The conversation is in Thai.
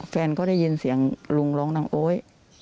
แฟนก็ได้ยินเสียงลุงร้องนางโอ๊ย